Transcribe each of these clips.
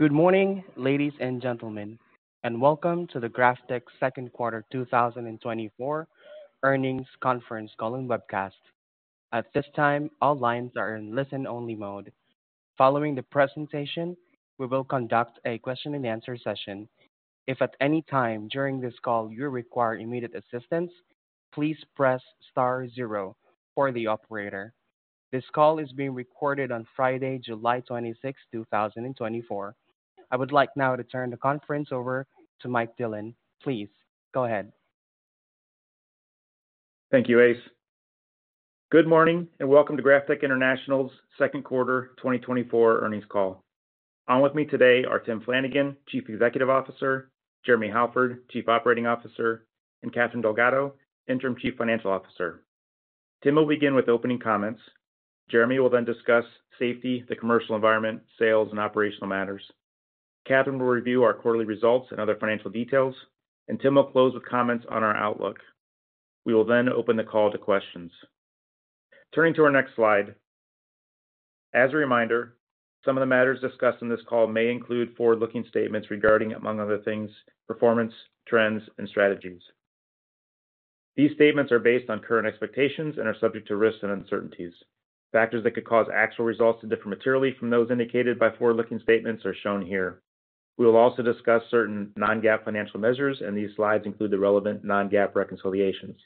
Good morning, ladies and gentlemen, and welcome to the GrafTech second quarter 2024 earnings conference call and webcast. At this time, all lines are in listen-only mode. Following the presentation, we will conduct a question-and-answer session. If at any time during this call you require immediate assistance, please press star zero for the operator. This call is being recorded on Friday, July 26th, 2024. I would like now to turn the conference over to Mike Dillon. Please, go ahead. Thank you, Atis. Good morning, and welcome to GrafTech International's second quarter 2024 earnings call. On with me today are Tim Flanagan, Chief Executive Officer; Jeremy Halford, Chief Operating Officer; and Catherine Delgado, Interim Chief Financial Officer. Tim will begin with opening comments. Jeremy will then discuss safety, the commercial environment, sales, and operational matters. Catherine will review our quarterly results and other financial details, and Tim will close with comments on our outlook. We will then open the call to questions. Turning to our next slide. As a reminder, some of the matters discussed on this call may include forward-looking statements regarding, among other things, performance, trends, and strategies. These statements are based on current expectations and are subject to risks and uncertainties. Factors that could cause actual results to differ materially from those indicated by forward-looking statements are shown here. We will also discuss certain non-GAAP financial measures, and these slides include the relevant non-GAAP reconciliations.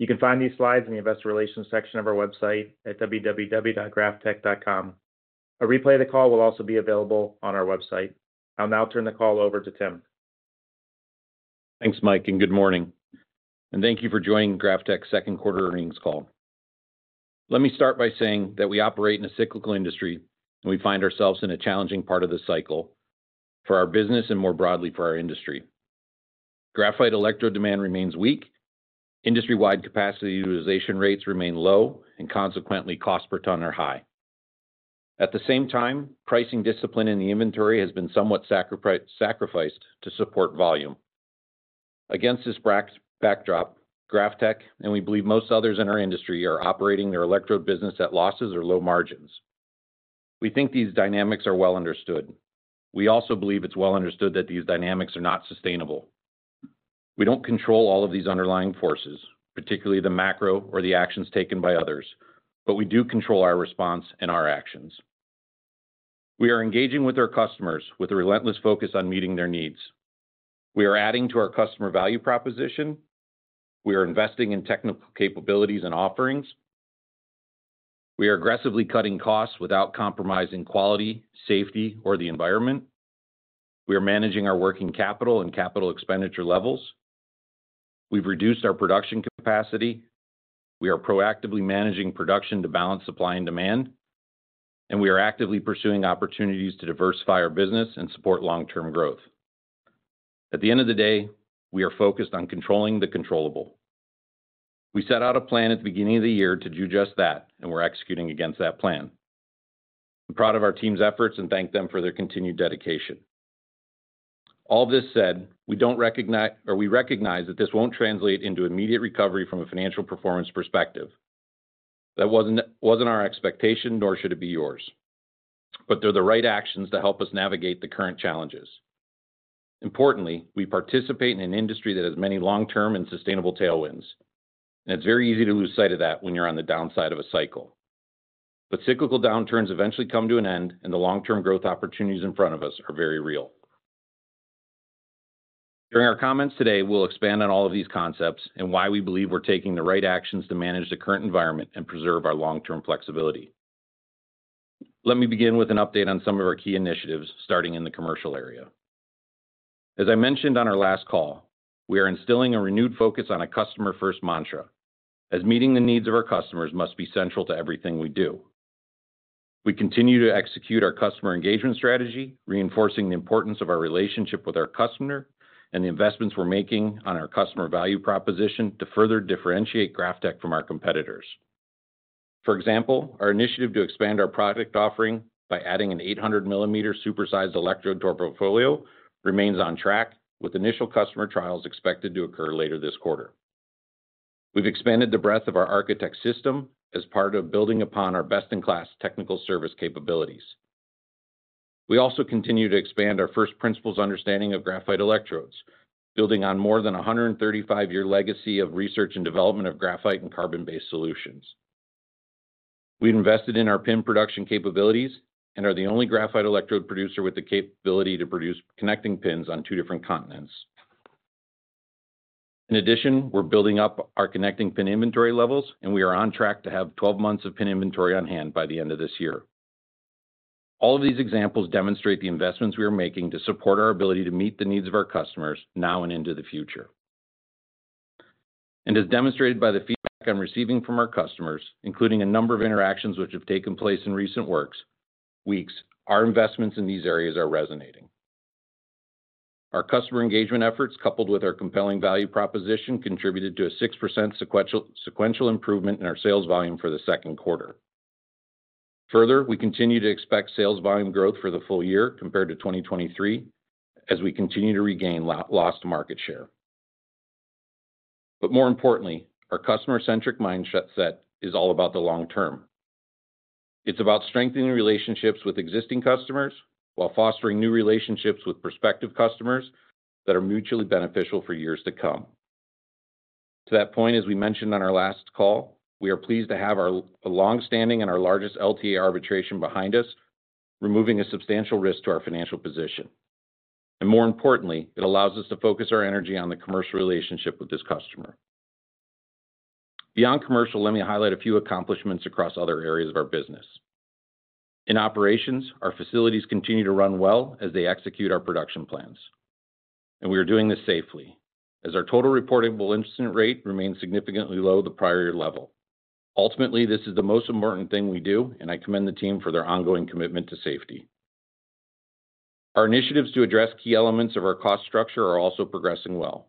You can find these slides in the Investor Relations section of our website at www.graftech.com. A replay of the call will also be available on our website. I'll now turn the call over to Tim. Thanks, Mike, and good morning, and thank you for joining GrafTech's second quarter earnings call. Let me start by saying that we operate in a cyclical industry, and we find ourselves in a challenging part of the cycle for our business and more broadly for our industry. Graphite electrode demand remains weak, industry-wide capacity utilization rates remain low, and consequently, costs per ton are high. At the same time, pricing discipline in the inventory has been somewhat sacrificed to support volume. Against this backdrop, GrafTech, and we believe most others in our industry, are operating their electrode business at losses or low margins. We think these dynamics are well understood. We also believe it's well understood that these dynamics are not sustainable. We don't control all of these underlying forces, particularly the macro or the actions taken by others, but we do control our response and our actions. We are engaging with our customers with a relentless focus on meeting their needs. We are adding to our customer value proposition. We are investing in technical capabilities and offerings. We are aggressively cutting costs without compromising quality, safety, or the environment. We are managing our working capital and capital expenditure levels. We've reduced our production capacity. We are proactively managing production to balance supply and demand, and we are actively pursuing opportunities to diversify our business and support long-term growth. At the end of the day, we are focused on controlling the controllable. We set out a plan at the beginning of the year to do just that, and we're executing against that plan. I'm proud of our team's efforts and thank them for their continued dedication. All this said, we recognize that this won't translate into immediate recovery from a financial performance perspective. That wasn't our expectation, nor should it be yours. But they're the right actions to help us navigate the current challenges. Importantly, we participate in an industry that has many long-term and sustainable tailwinds, and it's very easy to lose sight of that when you're on the downside of a cycle. But cyclical downturns eventually come to an end, and the long-term growth opportunities in front of us are very real. During our comments today, we'll expand on all of these concepts and why we believe we're taking the right actions to manage the current environment and preserve our long-term flexibility. Let me begin with an update on some of our key initiatives, starting in the commercial area. As I mentioned on our last call, we are instilling a renewed focus on a customer-first mantra, as meeting the needs of our customers must be central to everything we do. We continue to execute our customer engagement strategy, reinforcing the importance of our relationship with our customer and the investments we're making on our customer value proposition to further differentiate GrafTech from our competitors. For example, our initiative to expand our product offering by adding an 800 mm super-sized electrode to our portfolio remains on track, with initial customer trials expected to occur later this quarter. We've expanded the breadth of our ArchiTech system as part of building upon our best-in-class technical service capabilities. We also continue to expand our first principles understanding of graphite electrodes, building on more than a 135-year legacy of research and development of graphite and carbon-based solutions. We've invested in our pin production capabilities and are the only graphite electrode producer with the capability to produce connecting pins on two different continents. In addition, we're building up our connecting pin inventory levels, and we are on track to have 12 months of pin inventory on hand by the end of this year. All of these examples demonstrate the investments we are making to support our ability to meet the needs of our customers now and into the future. And as demonstrated by the feedback I'm receiving from our customers, including a number of interactions which have taken place in recent weeks, our investments in these areas are resonating. Our customer engagement efforts, coupled with our compelling value proposition, contributed to a 6% sequential improvement in our sales volume for the second quarter. Further, we continue to expect sales volume growth for the full year compared to 2023 as we continue to regain lost market share. But more importantly, our customer-centric mindset set is all about the long term. It's about strengthening relationships with existing customers, while fostering new relationships with prospective customers that are mutually beneficial for years to come. To that point, as we mentioned on our last call, we are pleased to have our, a long-standing and our largest LTA arbitration behind us, removing a substantial risk to our financial position. And more importantly, it allows us to focus our energy on the commercial relationship with this customer. Beyond commercial, let me highlight a few accomplishments across other areas of our business. In operations, our facilities continue to run well as they execute our production plans, and we are doing this safely, as our total reportable incident rate remains significantly low the prior year level. Ultimately, this is the most important thing we do, and I commend the team for their ongoing commitment to safety. Our initiatives to address key elements of our cost structure are also progressing well.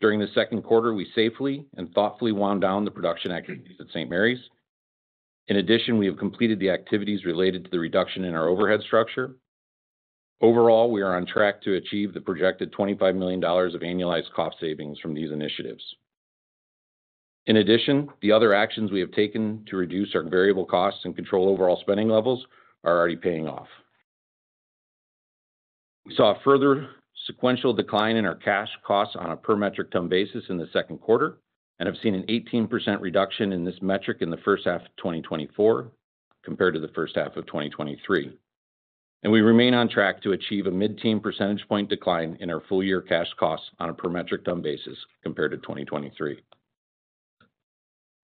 During the second quarter, we safely and thoughtfully wound down the production activities at St. Marys. In addition, we have completed the activities related to the reduction in our overhead structure. Overall, we are on track to achieve the projected $25 million of annualized cost savings from these initiatives. In addition, the other actions we have taken to reduce our variable costs and control overall spending levels are already paying off. We saw a further sequential decline in our cash costs on a per metric ton basis in the second quarter, and have seen an 18% reduction in this metric in the first half of 2024, compared to the first half of 2023. And we remain on track to achieve a mid-teen percentage point decline in our full year cash costs on a per metric ton basis compared to 2023.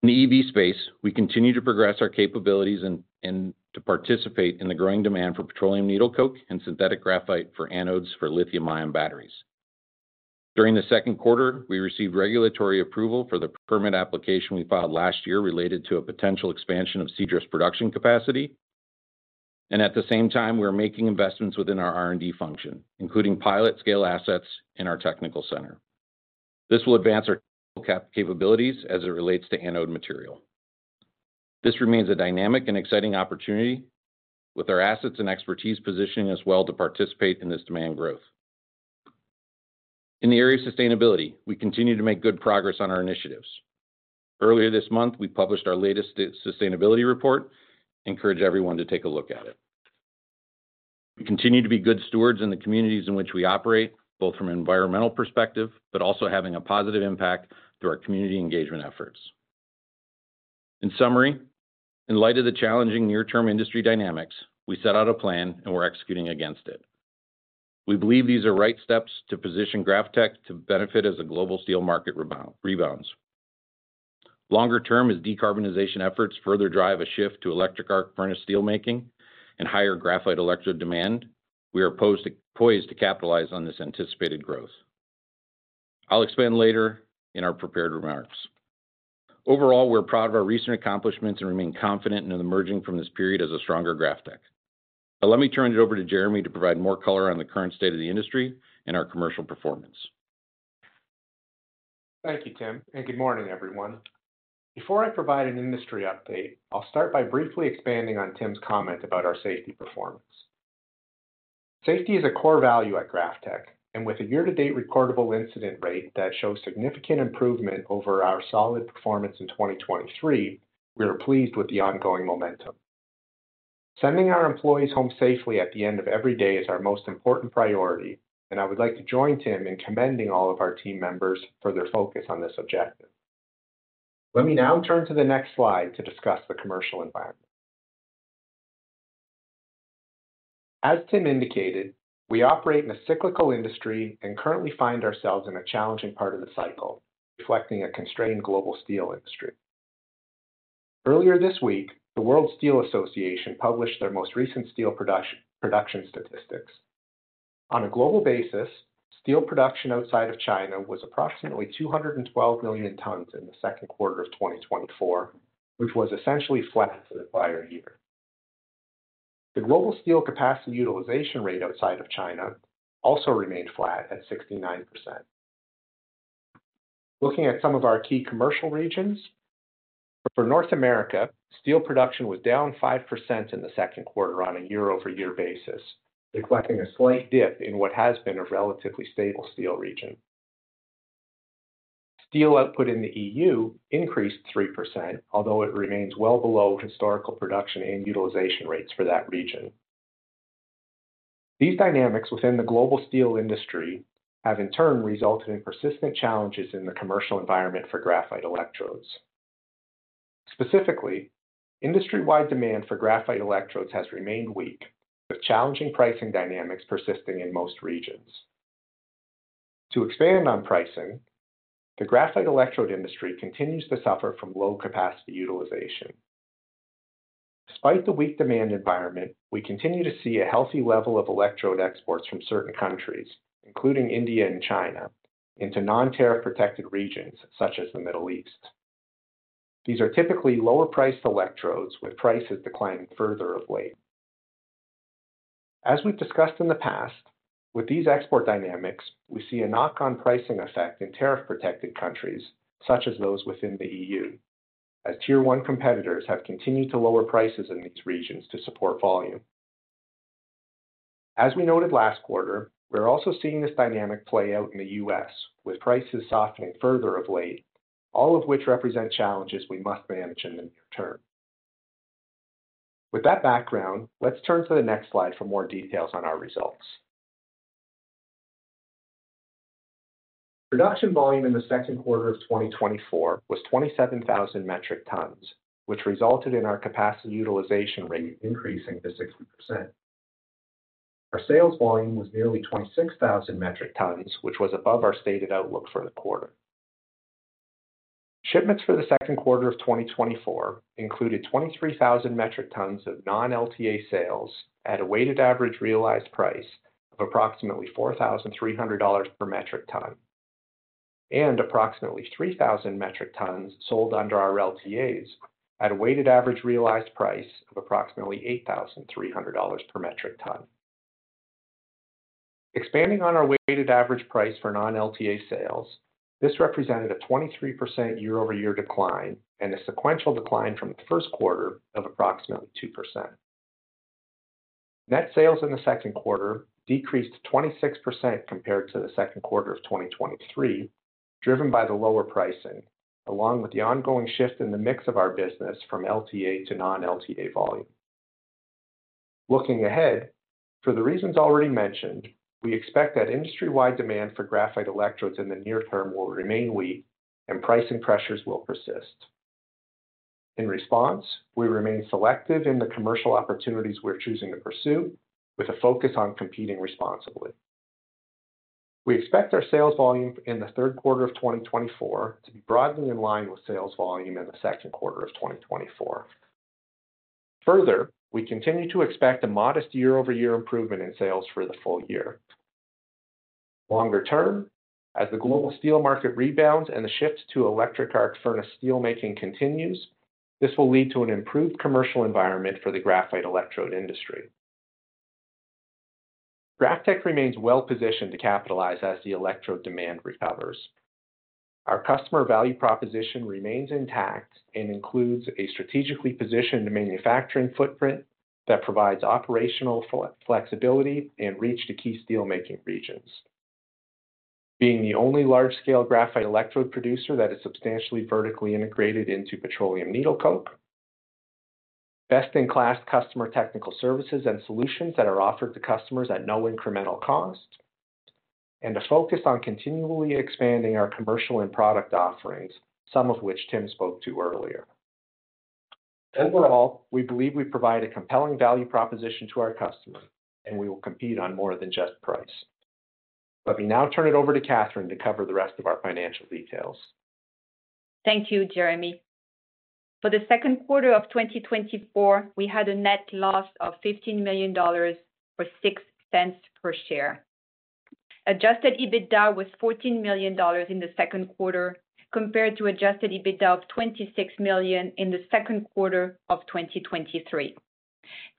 In the EV space, we continue to progress our capabilities and to participate in the growing demand for petroleum needle coke and synthetic graphite for anodes for lithium-ion batteries. During the second quarter, we received regulatory approval for the permit application we filed last year related to a potential expansion of Seadrift production capacity. And at the same time, we are making investments within our R&D function, including pilot scale assets in our technical center. This will advance our capabilities as it relates to anode material. This remains a dynamic and exciting opportunity, with our assets and expertise positioning us well to participate in this demand growth. In the area of sustainability, we continue to make good progress on our initiatives. Earlier this month, we published our latest sustainability report. Encourage everyone to take a look at it. We continue to be good stewards in the communities in which we operate, both from an environmental perspective, but also having a positive impact through our community engagement efforts. In summary, in light of the challenging near-term industry dynamics, we set out a plan and we're executing against it. We believe these are right steps to position GrafTech to benefit as the global steel market rebounds. Longer term, as decarbonization efforts further drive a shift to electric arc furnace steelmaking and higher graphite electrode demand, we are poised to capitalize on this anticipated growth. I'll expand later in our prepared remarks. Overall, we're proud of our recent accomplishments and remain confident in emerging from this period as a stronger GrafTech. But let me turn it over to Jeremy to provide more color on the current state of the industry and our commercial performance. Thank you, Tim, and good morning, everyone. Before I provide an industry update, I'll start by briefly expanding on Tim's comment about our safety performance. Safety is a core value at GrafTech, and with a year-to-date recordable incident rate that shows significant improvement over our solid performance in 2023, we are pleased with the ongoing momentum. Sending our employees home safely at the end of every day is our most important priority, and I would like to join Tim in commending all of our team members for their focus on this objective. Let me now turn to the next slide to discuss the commercial environment. As Tim indicated, we operate in a cyclical industry and currently find ourselves in a challenging part of the cycle, reflecting a constrained global steel industry. Earlier this week, the World Steel Association published their most recent steel production statistics. On a global basis, steel production outside of China was approximately 212 million tons in the second quarter of 2024, which was essentially flat to the prior year. The global steel capacity utilization rate outside of China also remained flat at 69%. Looking at some of our key commercial regions, for North America, steel production was down 5% in the second quarter on a year-over-year basis, reflecting a slight dip in what has been a relatively stable steel region. Steel output in the EU increased 3%, although it remains well below historical production and utilization rates for that region. These dynamics within the global steel industry have in turn resulted in persistent challenges in the commercial environment for graphite electrodes. Specifically, industry-wide demand for graphite electrodes has remained weak, with challenging pricing dynamics persisting in most regions. To expand on pricing, the graphite electrode industry continues to suffer from low capacity utilization. Despite the weak demand environment, we continue to see a healthy level of electrode exports from certain countries, including India and China, into non-tariff protected regions such as the Middle East. These are typically lower priced electrodes, with prices declining further of late. As we've discussed in the past, with these export dynamics, we see a knock-on pricing effect in tariff protected countries such as those within the EU, as tier one competitors have continued to lower prices in these regions to support volume....As we noted last quarter, we're also seeing this dynamic play out in the U.S., with prices softening further of late, all of which represent challenges we must manage in the near term. With that background, let's turn to the next slide for more details on our results. Production volume in the second quarter of 2024 was 27,000 metric tons, which resulted in our capacity utilization rate increasing to 60%. Our sales volume was nearly 26,000 metric tons, which was above our stated outlook for the quarter. Shipments for the second quarter of 2024 included 23,000 metric tons of non-LTA sales at a weighted average realized price of approximately $4,300 per metric ton, and approximately 3,000 metric tons sold under our LTAs at a weighted average realized price of approximately $8,300 per metric ton. Expanding on our weighted average price for non-LTA sales, this represented a 23% year-over-year decline and a sequential decline from the first quarter of approximately 2%. Net sales in the second quarter decreased 26% compared to the second quarter of 2023, driven by the lower pricing, along with the ongoing shift in the mix of our business from LTA to non-LTA volume. Looking ahead, for the reasons already mentioned, we expect that industry-wide demand for graphite electrodes in the near term will remain weak and pricing pressures will persist. In response, we remain selective in the commercial opportunities we're choosing to pursue, with a focus on competing responsibly. We expect our sales volume in the third quarter of 2024 to be broadly in line with sales volume in the second quarter of 2024. Further, we continue to expect a modest year-over-year improvement in sales for the full year. Longer term, as the global steel market rebounds and the shift to electric arc furnace steelmaking continues, this will lead to an improved commercial environment for the graphite electrode industry. GrafTech remains well positioned to capitalize as the electrode demand recovers. Our customer value proposition remains intact and includes a strategically positioned manufacturing footprint that provides operational flexibility and reach to key steelmaking regions. Being the only large-scale graphite electrode producer that is substantially vertically integrated into petroleum needle coke, best-in-class customer technical services and solutions that are offered to customers at no incremental cost, and a focus on continually expanding our commercial and product offerings, some of which Tim spoke to earlier. Overall, we believe we provide a compelling value proposition to our customers, and we will compete on more than just price. Let me now turn it over to Catherine to cover the rest of our financial details. Thank you, Jeremy. For the second quarter of 2024, we had a net loss of $15 million, or $0.06 per share. Adjusted EBITDA was $14 million in the second quarter, compared to adjusted EBITDA of $26 million in the second quarter of 2023.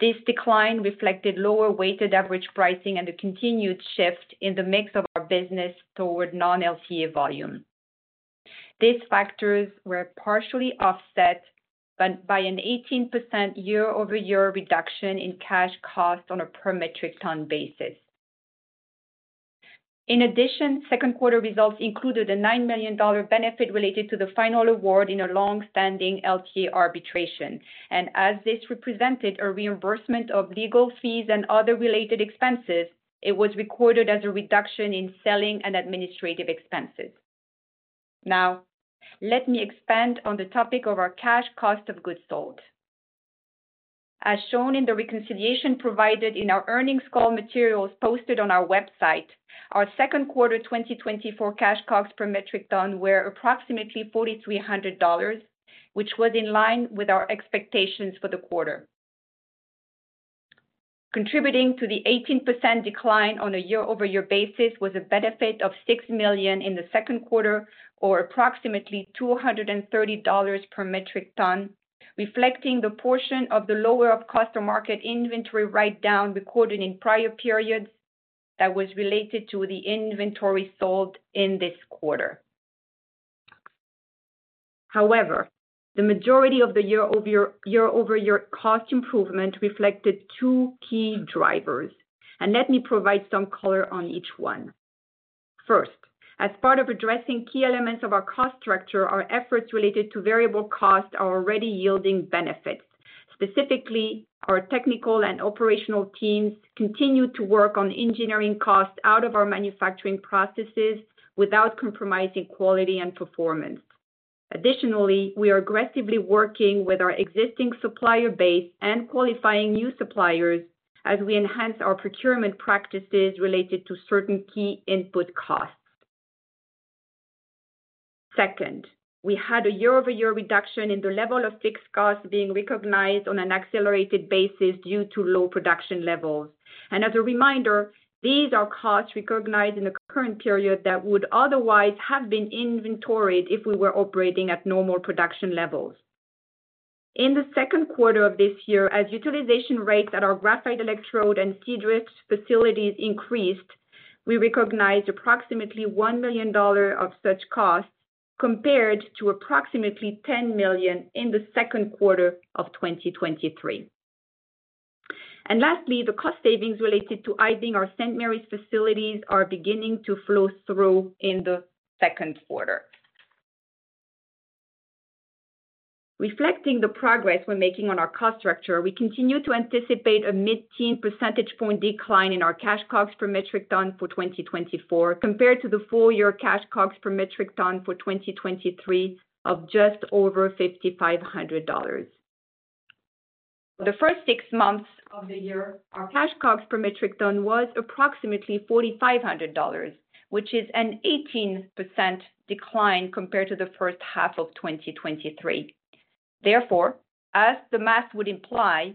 This decline reflected lower weighted average pricing and a continued shift in the mix of our business toward non-LTA volume. These factors were partially offset by an 18% year-over-year reduction in cash costs on a per metric ton basis. In addition, second quarter results included a $9 million benefit related to the final award in a longstanding LTA arbitration, and as this represented a reimbursement of legal fees and other related expenses, it was recorded as a reduction in selling and administrative expenses. Now, let me expand on the topic of our cash cost of goods sold. As shown in the reconciliation provided in our earnings call materials posted on our website, our second quarter 2024 Cash COGS per metric ton were approximately $4,300, which was in line with our expectations for the quarter. Contributing to the 18% decline on a year-over-year basis was a benefit of $6 million in the second quarter, or approximately $230 per metric ton, reflecting the portion of the lower of cost or market inventory write-down recorded in prior periods that was related to the inventory sold in this quarter. However, the majority of the year over year, year-over-year cost improvement reflected two key drivers, and let me provide some color on each one. First, as part of addressing key elements of our cost structure, our efforts related to variable costs are already yielding benefits. Specifically, our technical and operational teams continue to work on engineering costs out of our manufacturing processes without compromising quality and performance. Additionally, we are aggressively working with our existing supplier base and qualifying new suppliers as we enhance our procurement practices related to certain key input costs. Second, we had a year-over-year reduction in the level of fixed costs being recognized on an accelerated basis due to low production levels. And as a reminder, these are costs recognized in the current period that would otherwise have been inventoried if we were operating at normal production levels. In the second quarter of this year, as utilization rates at our graphite electrode and Seadrift's facilities increased, we recognized approximately $1 million of such costs... compared to approximately $10 million in the second quarter of 2023. And lastly, the cost savings related to idling our St. Marys facilities are beginning to flow through in the second quarter. Reflecting the progress we're making on our cost structure, we continue to anticipate a mid-teen percentage point decline in our cash COGS per metric ton for 2024, compared to the full year cash COGS per metric ton for 2023 of just over $5,500. For the first six months of the year, our cash COGS per metric ton was approximately $4,500, which is an 18% decline compared to the first half of 2023. Therefore, as the math would imply,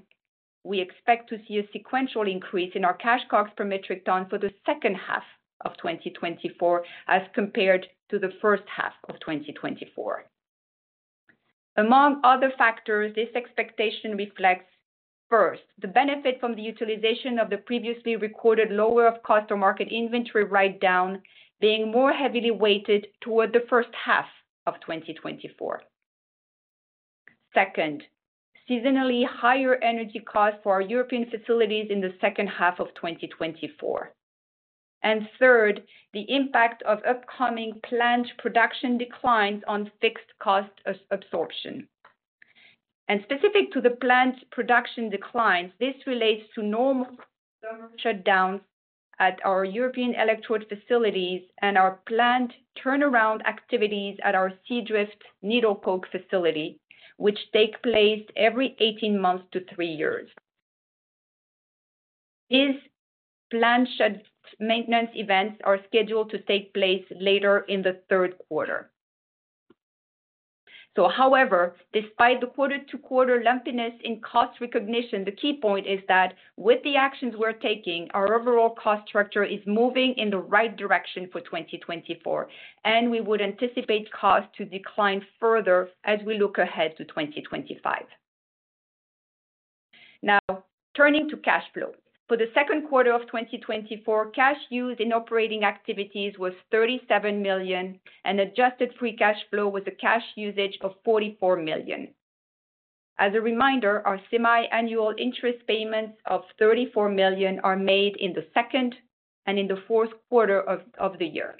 we expect to see a sequential increase in our cash COGS per metric ton for the second half of 2024, as compared to the first half of 2024. Among other factors, this expectation reflects, first, the benefit from the utilization of the previously recorded lower of cost or market inventory write-down being more heavily weighted toward the first half of 2024. Second, seasonally higher energy costs for our European facilities in the second half of 2024. And third, the impact of upcoming planned production declines on fixed cost absorption. And specific to the planned production declines, this relates to normal shutdowns at our European electrode facilities and our planned turnaround activities at our Seadrift needle coke facility, which take place every 18 months to 3 years. These planned shutdown maintenance events are scheduled to take place later in the third quarter. So however, despite the quarter-to-quarter lumpiness in cost recognition, the key point is that with the actions we're taking, our overall cost structure is moving in the right direction for 2024, and we would anticipate costs to decline further as we look ahead to 2025. Now, turning to cash flow. For the second quarter of 2024, cash used in operating activities was $37 million, and adjusted free cash flow was a cash usage of $44 million. As a reminder, our semiannual interest payments of $34 million are made in the second and in the fourth quarter of the year.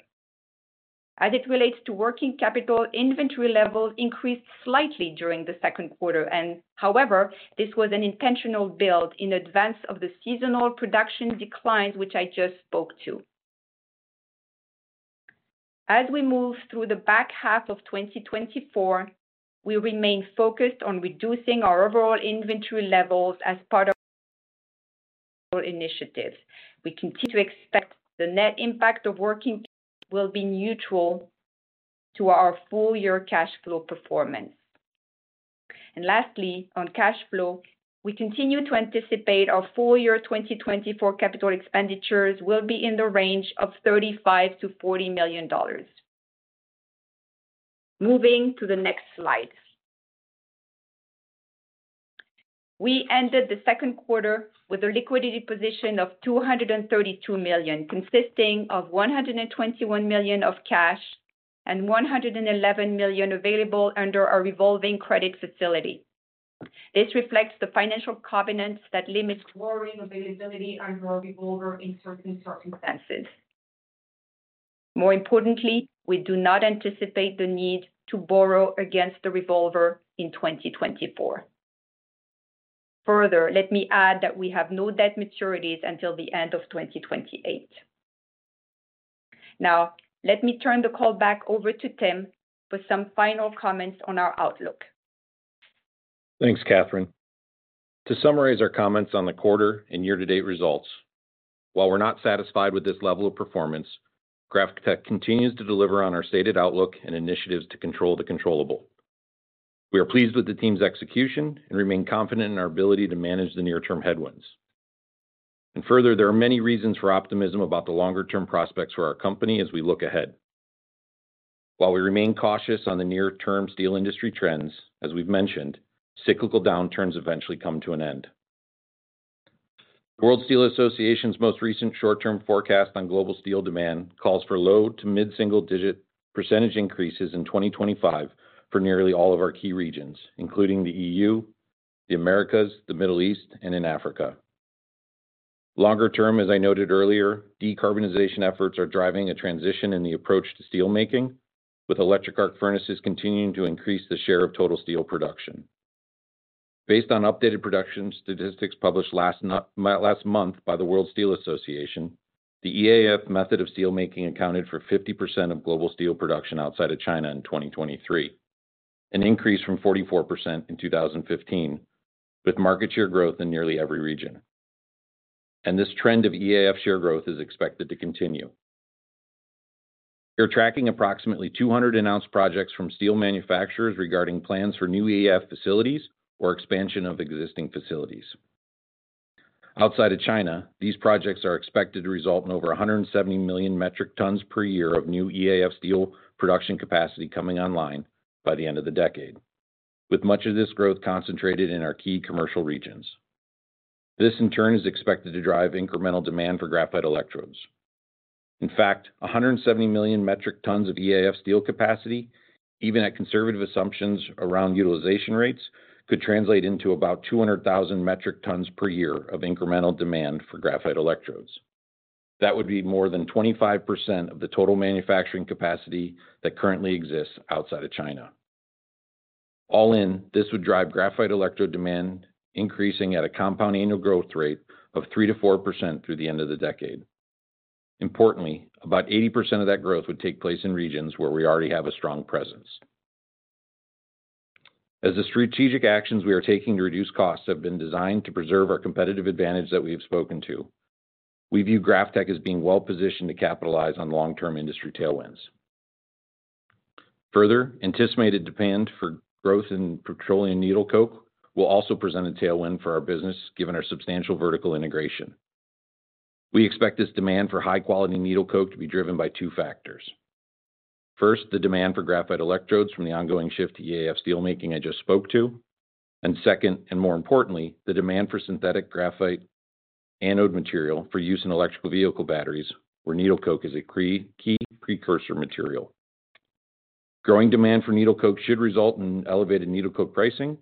As it relates to working capital, inventory levels increased slightly during the second quarter, and however, this was an intentional build in advance of the seasonal production declines, which I just spoke to. As we move through the back half of 2024, we remain focused on reducing our overall inventory levels as part of our initiatives. We continue to expect the net impact of working capital will be neutral to our full-year cash flow performance. Lastly, on cash flow, we continue to anticipate our full-year 2024 capital expenditures will be in the range of $35 million-$40 million. Moving to the next slide. We ended the second quarter with a liquidity position of $232 million, consisting of $121 million of cash and $111 million available under our revolving credit facility. This reflects the financial covenants that limit borrowing availability on our revolver in certain circumstances. More importantly, we do not anticipate the need to borrow against the revolver in 2024. Further, let me add that we have no debt maturities until the end of 2028. Now, let me turn the call back over to Tim for some final comments on our outlook. Thanks, Catherine. To summarize our comments on the quarter and year-to-date results, while we're not satisfied with this level of performance, GrafTech continues to deliver on our stated outlook and initiatives to control the controllable. We are pleased with the team's execution and remain confident in our ability to manage the near-term headwinds. And further, there are many reasons for optimism about the longer-term prospects for our company as we look ahead. While we remain cautious on the near-term steel industry trends, as we've mentioned, cyclical downturns eventually come to an end. World Steel Association's most recent short-term forecast on global steel demand calls for low- to mid-single-digit percentage increases in 2025 for nearly all of our key regions, including the EU, the Americas, the Middle East, and in Africa. Longer term, as I noted earlier, decarbonization efforts are driving a transition in the approach to steelmaking, with electric arc furnaces continuing to increase the share of total steel production. Based on updated production statistics published last month by the World Steel Association, the EAF method of steelmaking accounted for 50% of global steel production outside of China in 2023, an increase from 44% in 2015, with market share growth in nearly every region. This trend of EAF share growth is expected to continue. We are tracking approximately 200 announced projects from steel manufacturers regarding plans for new EAF facilities or expansion of existing facilities. Outside of China, these projects are expected to result in over 170 million metric tons per year of new EAF steel production capacity coming online by the end of the decade, with much of this growth concentrated in our key commercial regions. This in turn, is expected to drive incremental demand for graphite electrodes. In fact, 170 million metric tons of EAF steel capacity, even at conservative assumptions around utilization rates, could translate into about 200,000 metric tons per year of incremental demand for graphite electrodes. That would be more than 25% of the total manufacturing capacity that currently exists outside of China. All in, this would drive graphite electrode demand, increasing at a compound annual growth rate of 3%-4% through the end of the decade. Importantly, about 80% of that growth would take place in regions where we already have a strong presence. As the strategic actions we are taking to reduce costs have been designed to preserve our competitive advantage that we have spoken to, we view GrafTech as being well-positioned to capitalize on long-term industry tailwinds. Further, anticipated demand for growth in petroleum needle coke will also present a tailwind for our business, given our substantial vertical integration. We expect this demand for high-quality needle coke to be driven by two factors. First, the demand for graphite electrodes from the ongoing shift to EAF steelmaking I just spoke to, and second, and more importantly, the demand for synthetic graphite anode material for use in electric vehicle batteries, where needle coke is a key precursor material. Growing demand for needle coke should result in elevated needle coke pricing,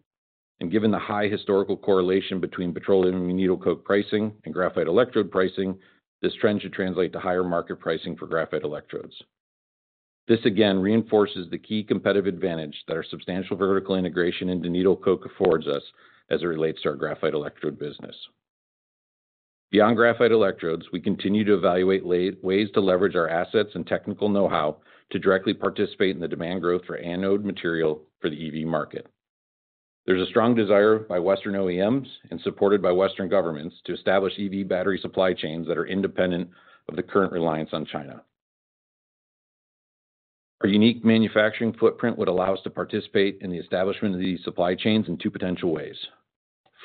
and given the high historical correlation between petroleum and needle coke pricing and graphite electrode pricing, this trend should translate to higher market pricing for graphite electrodes. This again reinforces the key competitive advantage that our substantial vertical integration into needle coke affords us as it relates to our graphite electrode business. Beyond graphite electrodes, we continue to evaluate ways to leverage our assets and technical know-how to directly participate in the demand growth for anode material for the EV market. There's a strong desire by Western OEMs and supported by Western governments, to establish EV battery supply chains that are independent of the current reliance on China. Our unique manufacturing footprint would allow us to participate in the establishment of these supply chains in two potential ways.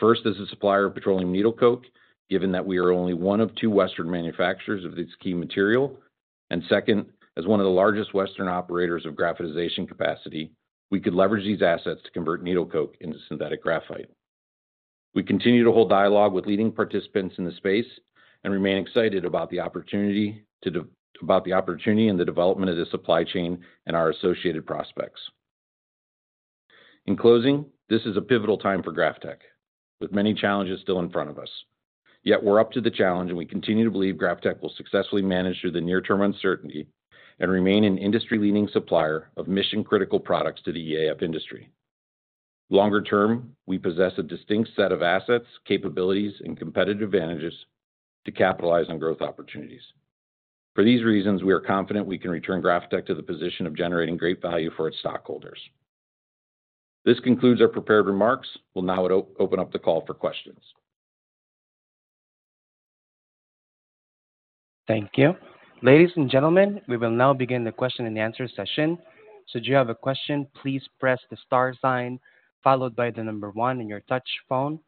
First, as a supplier of petroleum needle coke, given that we are only one of two Western manufacturers of this key material, and second, as one of the largest Western operators of graphitization capacity, we could leverage these assets to convert needle coke into synthetic graphite. We continue to hold dialogue with leading participants in the space and remain excited about the opportunity about the opportunity and the development of this supply chain and our associated prospects. In closing, this is a pivotal time for GrafTech, with many challenges still in front of us. Yet we're up to the challenge, and we continue to believe GrafTech will successfully manage through the near-term uncertainty and remain an industry-leading supplier of mission-critical products to the EAF industry. Longer term, we possess a distinct set of assets, capabilities, and competitive advantages to capitalize on growth opportunities. For these reasons, we are confident we can return GrafTech to the position of generating great value for its stockholders. This concludes our prepared remarks. We'll now open up the call for questions. Thank you. Ladies and gentlemen, we will now begin the question and answer session. Should you have a question, please press the star sign, followed by the number one on your touch-tone phone.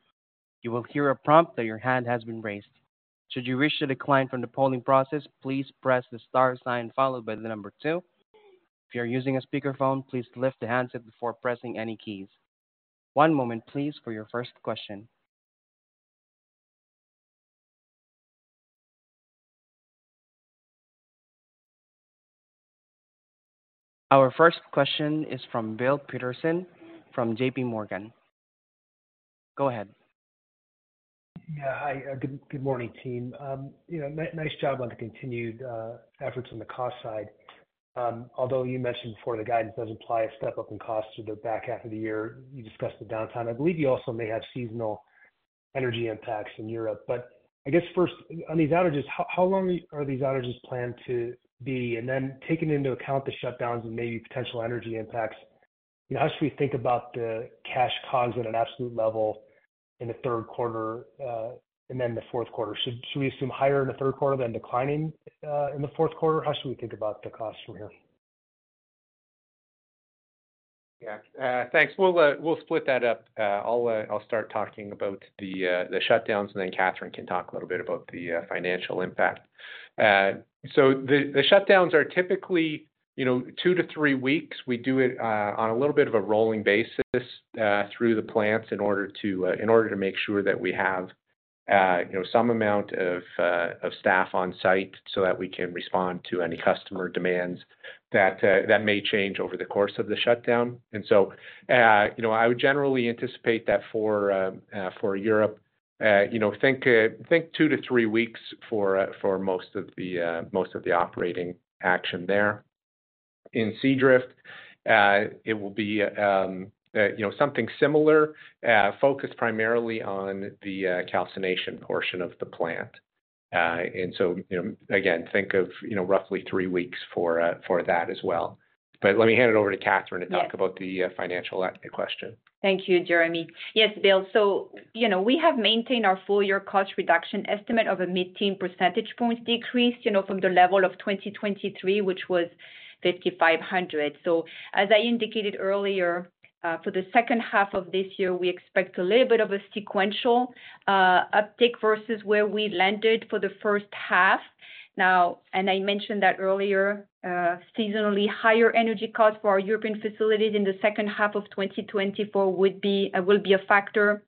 You will hear a prompt that your hand has been raised. Should you wish to decline from the polling process, please press the star sign followed by the number two. If you're using a speakerphone, please lift the handset before pressing any keys. One moment, please, for your first question. Our first question is from Bill Peterson from J.P. Morgan. Go ahead. Yeah. Hi, good morning, team. You know, nice job on the continued efforts on the cost side. Although you mentioned before, the guidance does imply a step-up in cost through the back half of the year, you discussed the downtime. I believe you also may have seasonal energy impacts in Europe. But I guess first, on these outages, how long are these outages planned to be? And then taking into account the shutdowns and maybe potential energy impacts, how should we think about the cash costs at an absolute level in the third quarter, and then the fourth quarter? Should we assume higher in the third quarter than declining in the fourth quarter? How should we think about the costs from here? Yeah. Thanks. We'll split that up. I'll start talking about the shutdowns, and then Catherine can talk a little bit about the financial impact. So the shutdowns are typically, you know, 2-3 weeks. We do it on a little bit of a rolling basis through the plants in order to make sure that we have, you know, some amount of staff on-site so that we can respond to any customer demands that may change over the course of the shutdown. And so, you know, I would generally anticipate that for Europe, you know, think 2-3 weeks for most of the operating action there. In Seadrift, it will be, you know, something similar, focused primarily on the, calcination portion of the plant. And so, you know, again, think of, you know, roughly three weeks for that as well. But let me hand it over to Catherine- Yeah. -to talk about the financial question. Thank you, Jeremy. Yes, Bill. So, you know, we have maintained our full-year cost reduction estimate of a mid-teen percentage points decrease, you know, from the level of 2023, which was $5,500. So as I indicated earlier, for the second half of this year, we expect a little bit of a sequential uptick versus where we landed for the first half. Now, and I mentioned that earlier, seasonally higher energy costs for our European facilities in the second half of 2024 would be, will be a factor.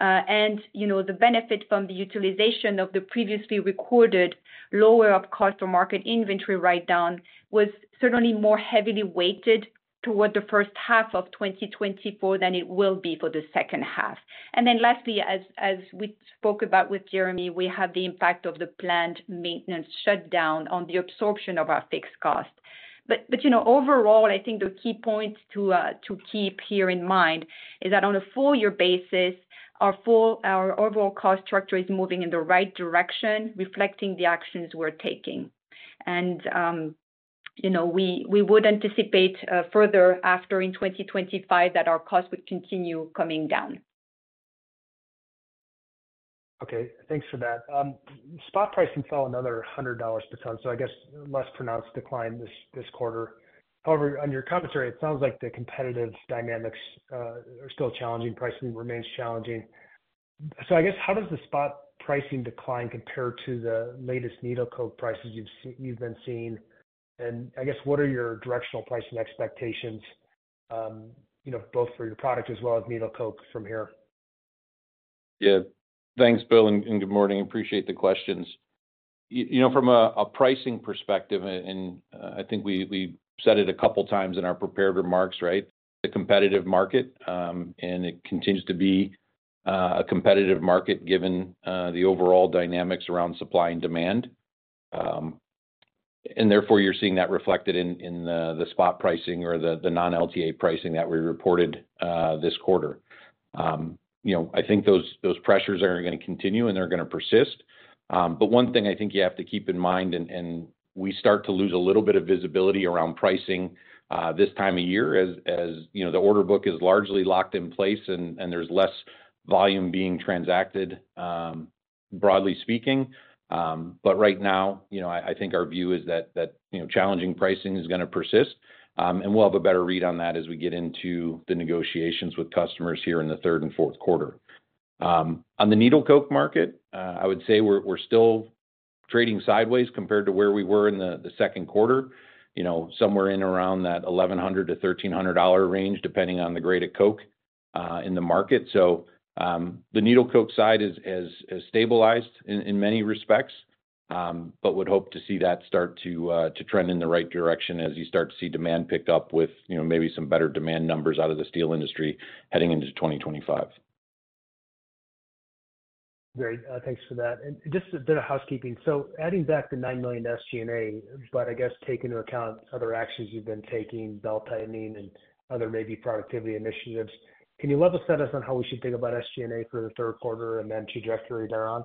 And you know, the benefit from the utilization of the previously recorded lower of cost or market inventory write-down was certainly more heavily weighted toward the first half of 2024 than it will be for the second half. And then lastly, as we spoke about with Jeremy, we have the impact of the planned maintenance shutdown on the absorption of our fixed cost. But, you know, overall, I think the key points to keep here in mind is that on a full year basis, our overall cost structure is moving in the right direction, reflecting the actions we're taking. And, you know, we would anticipate further after in 2025, that our costs would continue coming down. Okay, thanks for that. Spot pricing fell another $100 per ton, so I guess less pronounced decline this quarter. However, on your commentary, it sounds like the competitive dynamics are still challenging, pricing remains challenging. So I guess, how does the spot pricing decline compare to the latest needle coke prices you've been seeing? And I guess, what are your directional pricing expectations, you know, both for your product as well as needle coke from here? Yeah. Thanks, Bill, and good morning. Appreciate the questions. You know, from a pricing perspective, and I think we said it a couple of times in our prepared remarks, right? A competitive market, and it continues to be a competitive market given the overall dynamics around supply and demand. And therefore, you're seeing that reflected in the spot pricing or the non-LTA pricing that we reported this quarter. You know, I think those pressures are gonna continue, and they're gonna persist. But one thing I think you have to keep in mind, and we start to lose a little bit of visibility around pricing this time of year, as you know, the order book is largely locked in place and there's less volume being transacted, broadly speaking. But right now, you know, I think our view is that, you know, challenging pricing is gonna persist, and we'll have a better read on that as we get into the negotiations with customers here in the third and fourth quarter. On the needle coke market, I would say we're still trading sideways compared to where we were in the second quarter, you know, somewhere around that $1,100-$1,300 range, depending on the grade of coke, in the market. So, the needle coke side has stabilized in many respects, but would hope to see that start to trend in the right direction as you start to see demand pick up with, you know, maybe some better demand numbers out of the steel industry heading into 2025. Great. Thanks for that. And just a bit of housekeeping. So adding back the $9 million to SG&A, but I guess take into account other actions you've been taking, belt-tightening and other maybe productivity initiatives, can you level-set us on how we should think about SG&A for the third quarter and then trajectory thereon?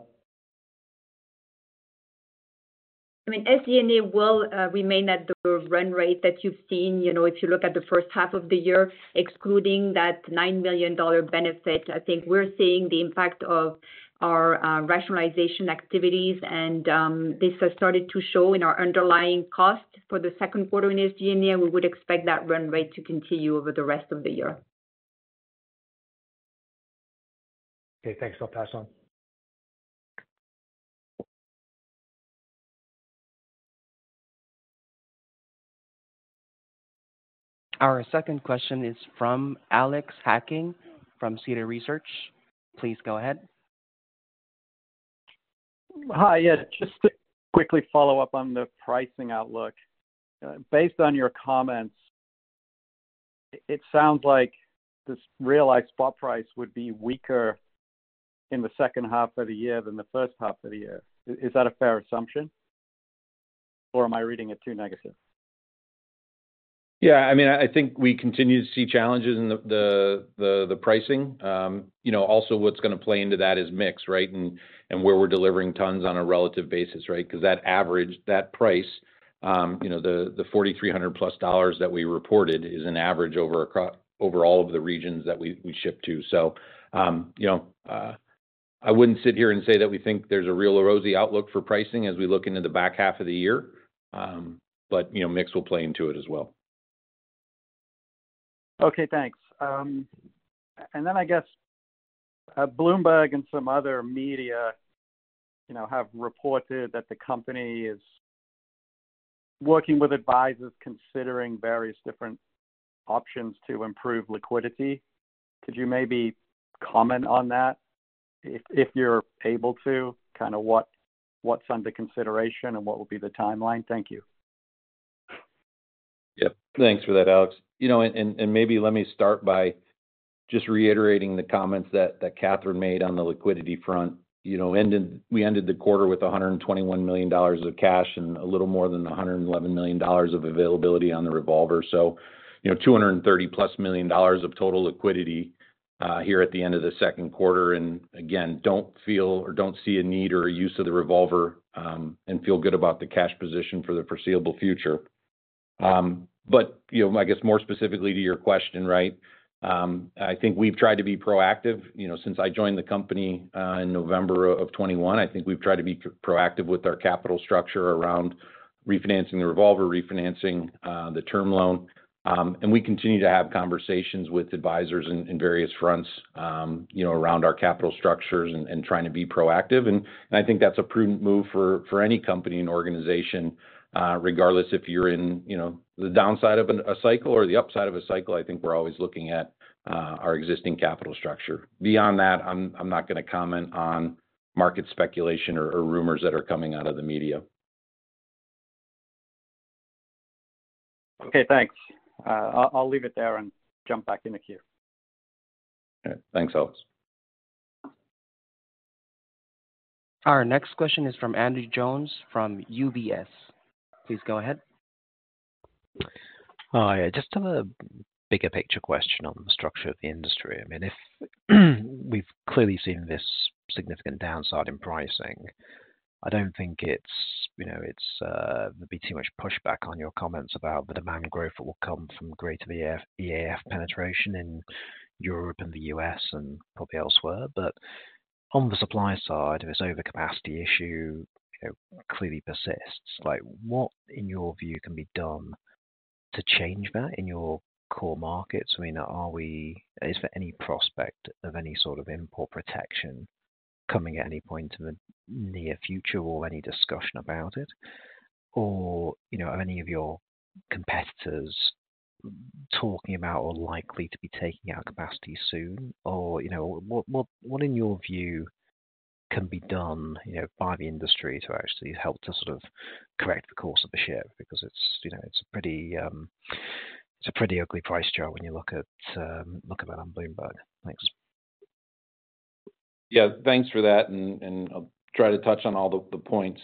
I mean, SG&A will remain at the run rate that you've seen. You know, if you look at the first half of the year, excluding that $9 million benefit, I think we're seeing the impact of our rationalization activities, and this has started to show in our underlying costs for the second quarter in SG&A. We would expect that run rate to continue over the rest of the year. Okay, thanks. I'll pass on. Our second question is from Alex Hacking from Citi. Please go ahead. Hi. Yeah, just to quickly follow up on the pricing outlook. Based on your comments, it sounds like this realized spot price would be weaker in the second half of the year than the first half of the year. Is that a fair assumption, or am I reading it too negative? Yeah, I mean, I think we continue to see challenges in the pricing. You know, also what's gonna play into that is mix, right? And where we're delivering tons on a relative basis, right? Because that average, that price, you know, the $4,300+ that we reported is an average over across all of the regions that we ship to. So, you know, I wouldn't sit here and say that we think there's a real rosy outlook for pricing as we look into the back half of the year, but, you know, mix will play into it as well. Okay, thanks. And then I guess, Bloomberg and some other media, you know, have reported that the company is working with advisors, considering various different options to improve liquidity. Could you maybe comment on that, if you're able to, kind of what, what's under consideration and what will be the timeline? Thank you. Yep. Thanks for that, Alex. You know, and maybe let me start by just reiterating the comments that Catherine made on the liquidity front. You know, we ended the quarter with $121 million of cash and a little more than $111 million of availability on the revolver. So, you know, $230+ million of total liquidity here at the end of the second quarter, and again, don't feel or don't see a need or a use of the revolver, and feel good about the cash position for the foreseeable future. But, you know, I guess more specifically to your question, right? I think we've tried to be proactive. You know, since I joined the company in November of 2021, I think we've tried to be proactive with our capital structure around refinancing the revolver, refinancing the term loan. And we continue to have conversations with advisors in various fronts, you know, around our capital structures and trying to be proactive. And I think that's a prudent move for any company and organization, regardless if you're in the downside of a cycle or the upside of a cycle. I think we're always looking at our existing capital structure. Beyond that, I'm not gonna comment on market speculation or rumors that are coming out of the media.... Okay, thanks. I'll leave it there and jump back in the queue. Okay. Thanks, Alex. Our next question is from Andrew Jones, from UBS. Please go ahead. Hi, I just have a bigger picture question on the structure of the industry. I mean, if we've clearly seen this significant downside in pricing, I don't think it's, you know, it would be too much pushback on your comments about the demand growth that will come from greater EAF penetration in Europe and the U.S., and probably elsewhere. But on the supply side, this overcapacity issue, you know, clearly persists. Like, what, in your view, can be done to change that in your core markets? I mean, are we—is there any prospect of any sort of import protection coming at any point in the near future or any discussion about it? Or, you know, are any of your competitors talking about or likely to be taking out capacity soon? Or, you know, what, what, what in your view, can be done, you know, by the industry to actually help to sort of correct the course of the ship? Because it's, you know, it's a pretty, it's a pretty ugly price chart when you look at, look at it on Bloomberg. Thanks. Yeah, thanks for that, and I'll try to touch on all the points.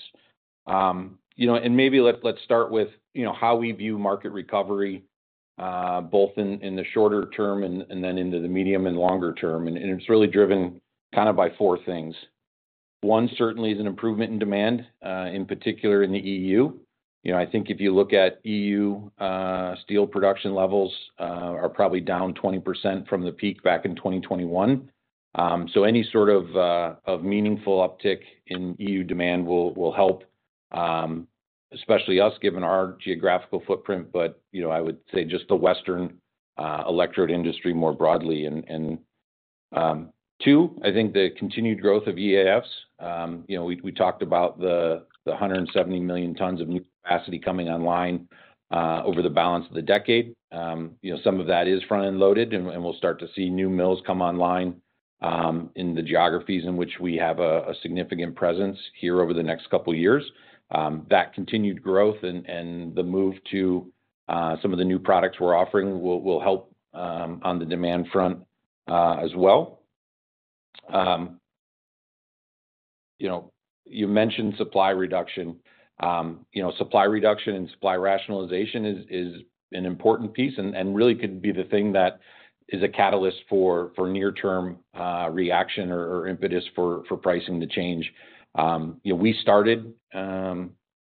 You know, and maybe let's start with, you know, how we view market recovery, both in the shorter term and then into the medium and longer term. And it's really driven kind of by four things. One, certainly, is an improvement in demand, in particular, in the EU. You know, I think if you look at EU steel production levels, are probably down 20% from the peak back in 2021. So any sort of meaningful uptick in EU demand will help, especially us, given our geographical footprint. But, you know, I would say just the Western electrode industry more broadly. And two, I think the continued growth of EAFs. You know, we talked about the 170 million tons of new capacity coming online over the balance of the decade. You know, some of that is front-end loaded, and we'll start to see new mills come online in the geographies in which we have a significant presence here over the next couple of years. That continued growth and the move to some of the new products we're offering will help on the demand front as well. You know, you mentioned supply reduction. You know, supply reduction and supply rationalization is an important piece and really could be the thing that is a catalyst for near-term reaction or impetus for pricing to change. You know, we started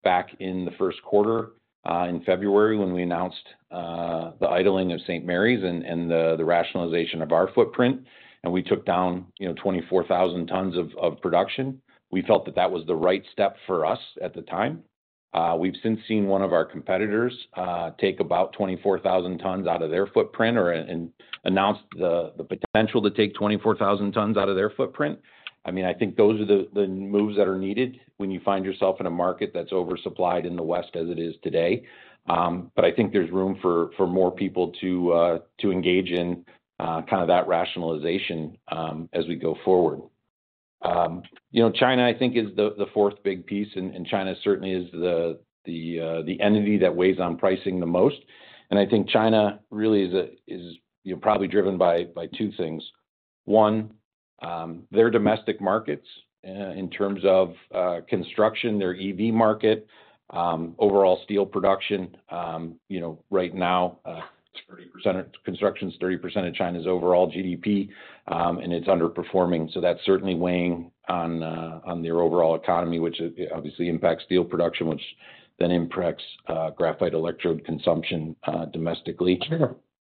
back in the first quarter in February, when we announced the idling of St. Marys and the rationalization of our footprint, and we took down, you know, 24,000 tons of production. We felt that that was the right step for us at the time. We've since seen one of our competitors take about 24,000 tons out of their footprint or announce the potential to take 24,000 tons out of their footprint. I mean, I think those are the moves that are needed when you find yourself in a market that's oversupplied in the West as it is today. But I think there's room for more people to engage in kind of that rationalization as we go forward. You know, China, I think, is the fourth big piece, and China certainly is the entity that weighs on pricing the most. And I think China really is, you know, probably driven by two things. One, their domestic markets, in terms of, construction, their EV market, overall steel production, you know, right now, 30% of construction is 30% of China's overall GDP, and it's underperforming. So that's certainly weighing on their overall economy, which obviously impacts steel production, which then impacts graphite electrode consumption domestically.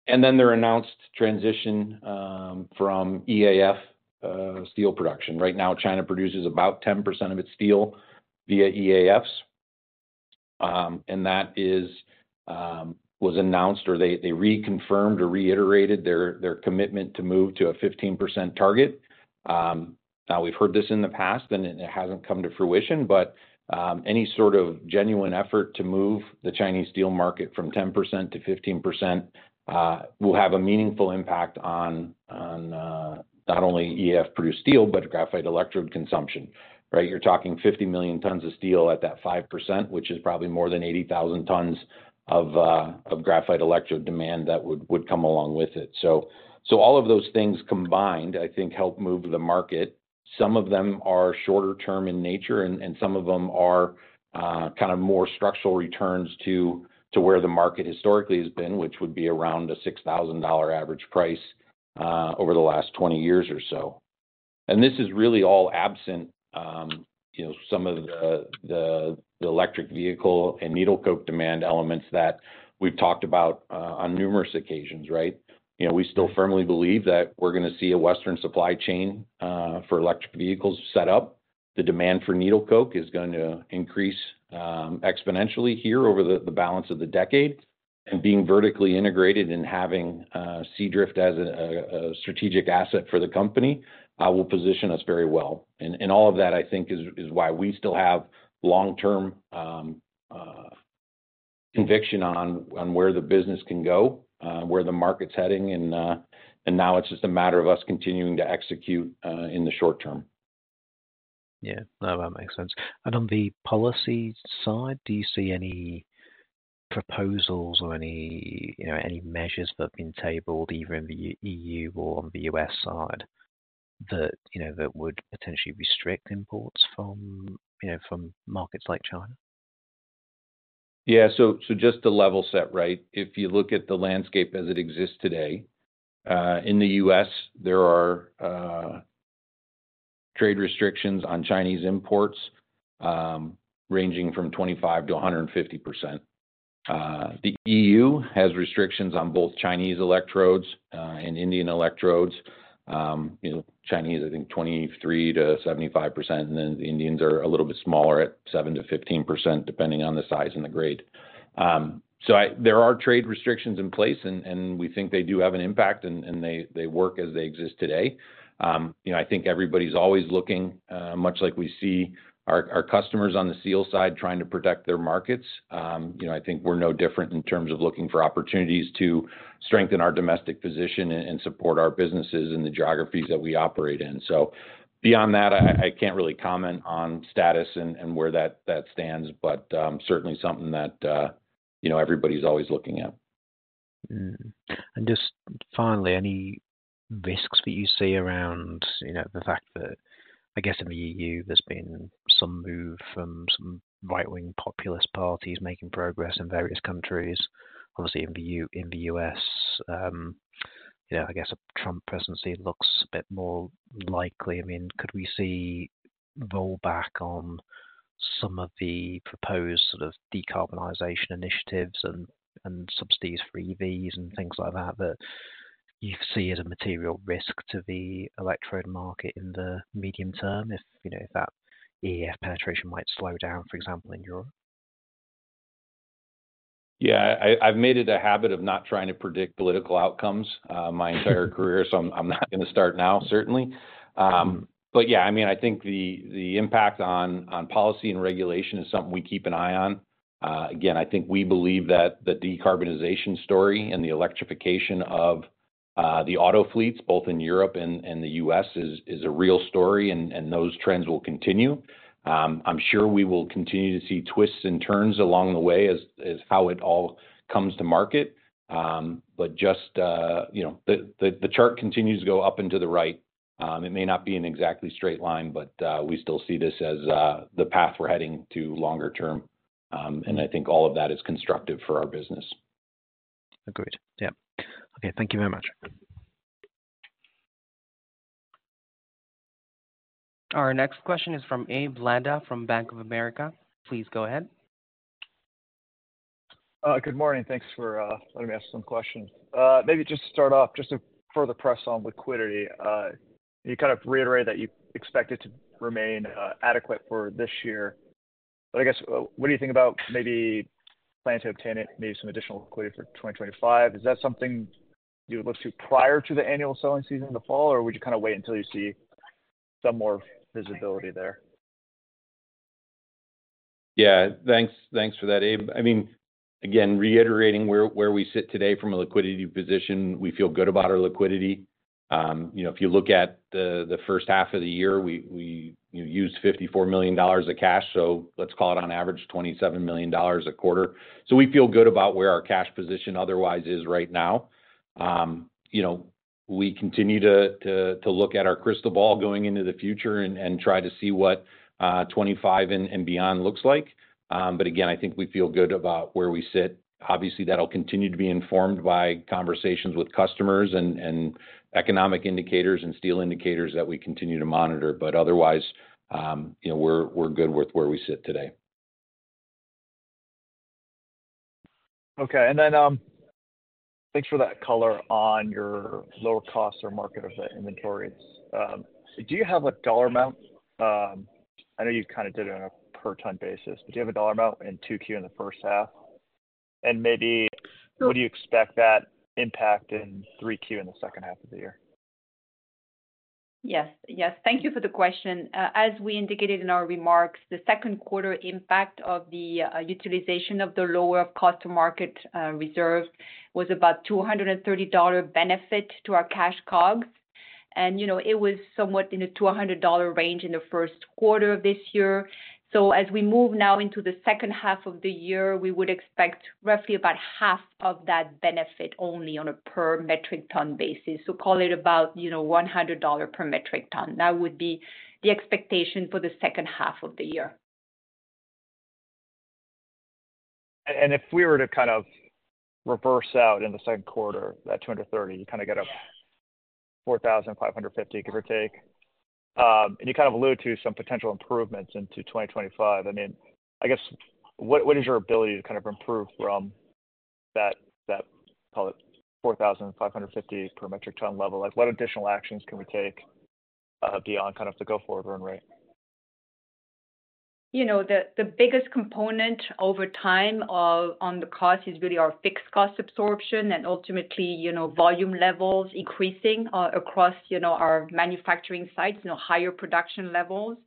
And then their announced transition from EAF steel production. Right now, China produces about 10% of its steel via EAFs, and that was announced, or they reconfirmed or reiterated their commitment to move to a 15% target. Now we've heard this in the past, and it hasn't come to fruition, but any sort of genuine effort to move the Chinese steel market from 10% to 15% will have a meaningful impact on not only EAF-produced steel, but graphite electrode consumption, right? You're talking 50 million tons of steel at that 5%, which is probably more than 80,000 tons of graphite electrode demand that would come along with it. So all of those things combined, I think, help move the market. Some of them are shorter term in nature, and some of them are kind of more structural returns to where the market historically has been, which would be around a $6,000 average price over the last 20 years or so. And this is really all absent, you know, some of the electric vehicle and needle coke demand elements that we've talked about on numerous occasions, right? You know, we still firmly believe that we're gonna see a Western supply chain for electric vehicles set up. The demand for needle coke is going to increase exponentially here over the balance of the decade. And being vertically integrated and having Seadrift as a strategic asset for the company will position us very well. All of that, I think, is why we still have long-term conviction on where the business can go, where the market's heading, and now it's just a matter of us continuing to execute in the short term. Yeah, no, that makes sense. On the policy side, do you see any proposals or any, you know, any measures that have been tabled, even in the EU or on the U.S. side, that, you know, that would potentially restrict imports from, you know, from markets like China? Yeah. So, so just to level set, right? If you look at the landscape as it exists today, in the U.S., there are trade restrictions on Chinese imports, ranging from 25%-150%. The EU has restrictions on both Chinese electrodes and Indian electrodes. You know, Chinese, I think 23%-75%, and then the Indians are a little bit smaller at 7%-15%, depending on the size and the grade. There are trade restrictions in place, and we think they do have an impact, and they work as they exist today. You know, I think everybody's always looking, much like we see our customers on the steel side trying to protect their markets. You know, I think we're no different in terms of looking for opportunities to strengthen our domestic position and support our businesses in the geographies that we operate in. So beyond that, I can't really comment on status and where that stands, but certainly something that, you know, everybody's always looking at. And just finally, any risks that you see around, you know, the fact that, I guess, in the EU, there's been some move from some right-wing populist parties making progress in various countries? Obviously in the U.S., you know, I guess a Trump presidency looks a bit more likely. I mean, could we see rollback on some of the proposed sort of decarbonization initiatives and, and subsidies for EVs and things like that, that you see as a material risk to the electrode market in the medium term, if, you know, if that EAF penetration might slow down, for example, in Europe? Yeah, I've made it a habit of not trying to predict political outcomes, my entire career, so I'm not gonna start now, certainly. But yeah, I mean, I think the impact on policy and regulation is something we keep an eye on. Again, I think we believe that the decarbonization story and the electrification of the auto fleets, both in Europe and the U.S., is a real story, and those trends will continue. I'm sure we will continue to see twists and turns along the way, as how it all comes to market. But just, you know, the chart continues to go up and to the right. It may not be an exactly straight line, but we still see this as the path we're heading to longer term. I think all of that is constructive for our business. Agreed. Yeah. Okay, thank you very much. Our next question is from Abe Landa, from Bank of America. Please go ahead. Good morning. Thanks for letting me ask some questions. Maybe just to start off, just to further press on liquidity. You kind of reiterated that you expect it to remain adequate for this year, but I guess what do you think about maybe planning to obtain it, maybe some additional liquidity for 2025? Is that something you would look to prior to the annual selling season in the fall, or would you kind of wait until you see some more visibility there? Yeah. Thanks. Thanks for that, Abe. I mean, again, reiterating where we sit today from a liquidity position, we feel good about our liquidity. You know, if you look at the first half of the year, we, you know, used $54 million of cash, so let's call it on average, $27 million a quarter. So we feel good about where our cash position otherwise is right now. You know, we continue to look at our crystal ball going into the future and try to see what 2025 and beyond looks like. But again, I think we feel good about where we sit. Obviously, that'll continue to be informed by conversations with customers and economic indicators, and steel indicators that we continue to monitor. But otherwise, you know, we're good with where we sit today. Okay. And then, thanks for that color on your lower of cost or market of the inventories. Do you have a dollar amount? I know you kind of did it on a per ton basis, but do you have a dollar amount in 2Q in the first half? And maybe, what do you expect that impact in 3Q in the second half of the year? Yes, yes. Thank you for the question. As we indicated in our remarks, the second quarter impact of the utilization of the lower of cost or market reserve was about $230 benefit to our cash COGS. And, you know, it was somewhat in the $200 range in the first quarter of this year. So as we move now into the second half of the year, we would expect roughly about half of that benefit only on a per metric ton basis. So call it about, you know, $100 per metric ton. That would be the expectation for the second half of the year. And if we were to kind of reverse out in the second quarter, that $230, you kind of get a $4,550, give or take. And you kind of alluded to some potential improvements into 2025. I mean, I guess, what, what is your ability to kind of improve from that, that, call it, $4,550 per metric ton level? Like, what additional actions can we take, beyond kind of the go-forward run rate? You know, the biggest component over time on the cost is really our fixed cost absorption and ultimately, you know, volume levels increasing across, you know, our manufacturing sites, you know, higher production levels.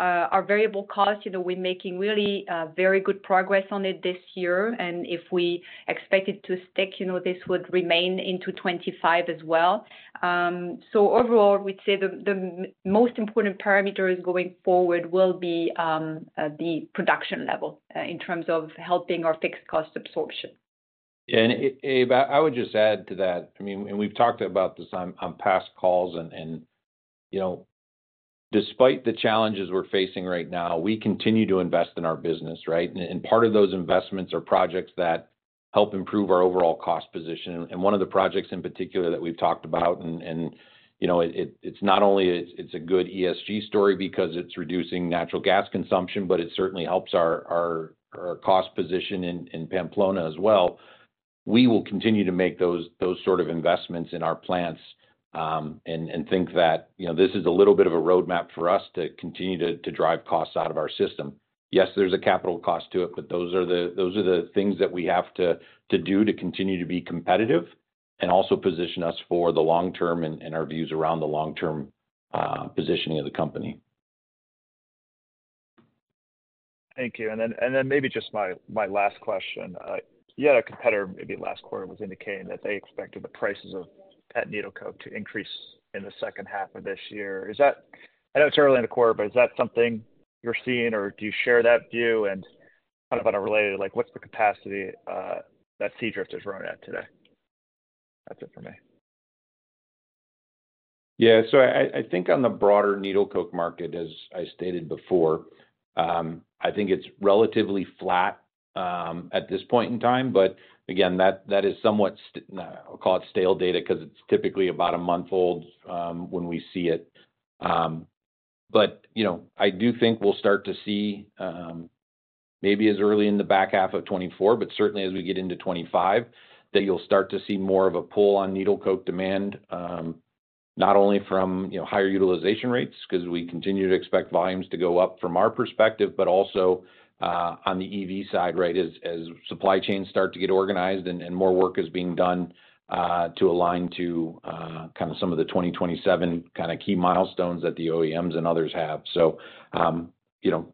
Our variable costs, you know, we're making really very good progress on it this year, and if we expect it to stick, you know, this would remain into 2025 as well. So overall, we'd say the most important parameters going forward will be the production level in terms of helping our fixed cost absorption. Abe, I would just add to that, I mean, and we've talked about this on past calls and, you know, despite the challenges we're facing right now, we continue to invest in our business, right? And part of those investments are projects that help improve our overall cost position. And one of the projects in particular that we've talked about, and, you know, it's not only, it's a good ESG story because it's reducing natural gas consumption, but it certainly helps our cost position in Pamplona as well. We will continue to make those sort of investments in our plants, and think that, you know, this is a little bit of a roadmap for us to continue to drive costs out of our system. Yes, there's a capital cost to it, but those are the things that we have to do to continue to be competitive, and also position us for the long term and our views around the long-term positioning of the company. Thank you. And then maybe just my last question. You had a competitor, maybe last quarter, was indicating that they expected the prices of petroleum needle coke to increase in the second half of this year. Is that—I know it's early in the quarter, but is that something you're seeing, or do you share that view? And kind of on a related, like, what's the capacity that Seadrift is running at today? That's it for me. Yeah. So I think on the broader needle coke market, as I stated before, I think it's relatively flat, at this point in time, but again, that is somewhat stale data, 'cause it's typically about a month old, when we see it. But, you know, I do think we'll start to see, maybe as early in the back half of 2024, but certainly as we get into 2025, that you'll start to see more of a pull on needle coke demand, not only from, you know, higher utilization rates, 'cause we continue to expect volumes to go up from our perspective, but also, on the EV side, right? As supply chains start to get organized and more work is being done to align to kind of some of the 2027 kind of key milestones that the OEMs and others have. So, you know,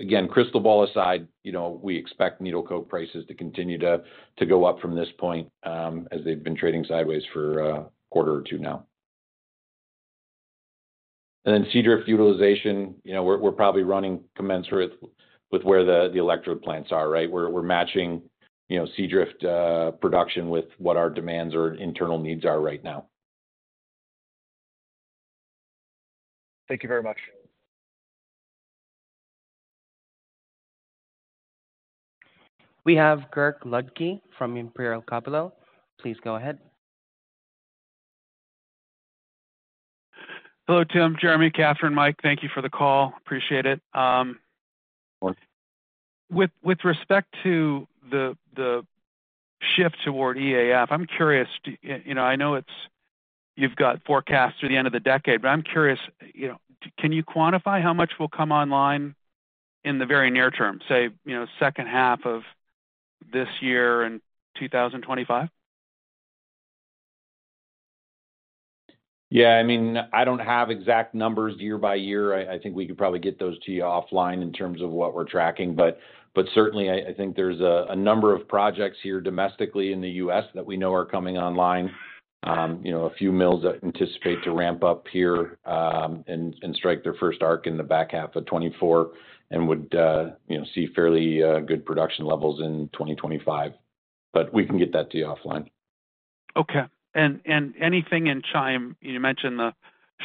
again, crystal ball aside, you know, we expect needle coke prices to continue to go up from this point, as they've been trading sideways for a quarter or two now. And then Seadrift utilization, you know, we're probably running commensurate with where the electrode plants are, right? We're matching, you know, Seadrift production with what our demands or internal needs are right now. Thank you very much. We have Kirk Ludtke from Imperial Capital. Please go ahead. Hello, Tim, Jeremy, Catherine, Mike, thank you for the call. Appreciate it. Of course. With respect to the shift toward EAF, I'm curious, you know, I know you've got forecasts through the end of the decade, but I'm curious, you know, can you quantify how much will come online in the very near term? Say, you know, second half of this year and 2025. Yeah, I mean, I don't have exact numbers year by year. I think we could probably get those to you offline in terms of what we're tracking. But certainly, I think there's a number of projects here domestically in the U.S. that we know are coming online. You know, a few mills that anticipate to ramp up here, and strike their first arc in the back half of 2024, and would, you know, see fairly good production levels in 2025. But we can get that to you offline. Okay. And anything in China, you mentioned the